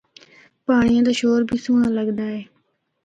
پانڑیا دا شور بھی سہنڑا لگدا اے۔